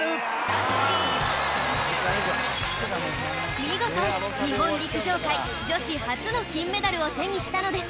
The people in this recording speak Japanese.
見事日本陸上界女子初の金メダルを手にしたのです